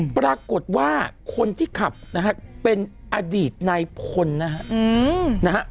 ปรากฏว่าคนที่ขับนะฮะเป็นอดีตนายพลนะฮะ